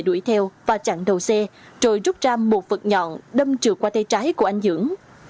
đuổi theo và chặn đầu xe rồi rút ra một vật nhọn đâm trượt qua tay trái của anh dưỡng